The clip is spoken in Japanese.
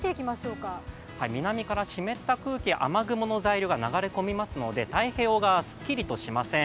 南から湿った空気、雨雲の材料が流れ込みますので、太平洋側、すっきりとしません。